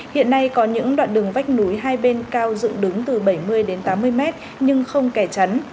hiện nay có những đoạn đường vách núi hai bên cao dựng đứng từ bảy mươi đến tám mươi mét nhưng không kẻ chắn